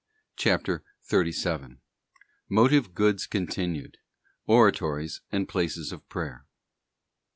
CHAPTER XXXVII. Motive Goods continued. Oratories and places of prayer.